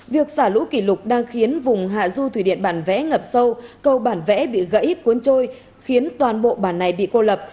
việc xả lũ kỷ lục đang khiến vùng hạ du thủy điện bản vẽ ngập sâu cầu bản vẽ bị gãy cuốn trôi khiến toàn bộ bản này bị cô lập